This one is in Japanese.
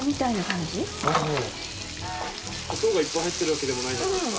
砂糖がいっぱい入ってるわけでもないじゃないですか。